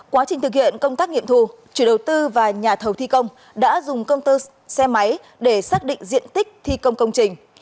quá trình thực hiện công tác nghiệm thu chủ đầu tư và nhà thầu thi công đã dùng công tơ xe máy để xác định diện tích thi công công trình